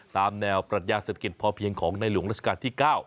ตามแนวปรัชญาเศรษฐกิจพอเพียงของในหลวงราชการที่๙